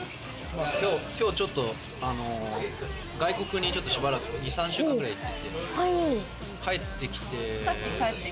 今日ちょっと外国にしばらく２３週間くらい行っていて、帰ってきて。